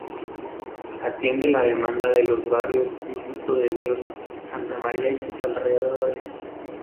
Atiende la demanda de los barrios Minuto de Dios, Santa María y sus alrededores.